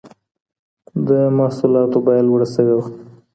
د محصولاتو بيه لوړه سوي وه.